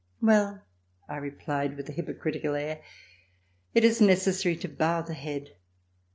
"Well," I replied, with a hypocritical air, "it is necessary to bow the head.